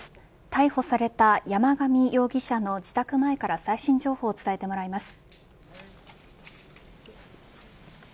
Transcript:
逮捕された山上容疑者の自宅前から最新情報を伝えてもらいます。